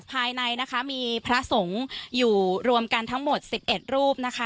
ภายในนะคะมีพระสงฆ์อยู่รวมกันทั้งหมด๑๑รูปนะคะ